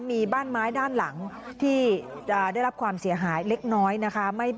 มีบ้านไม้ด้านหลังที่จะได้รับความเสียหายเล็กน้อยนะคะ